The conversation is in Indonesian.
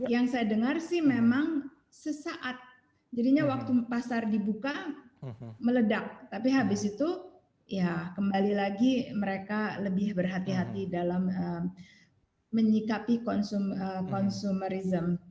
yang saya dengar sih memang sesaat jadinya waktu pasar dibuka meledak tapi habis itu ya kembali lagi mereka lebih berhati hati dalam menyikapi consumerism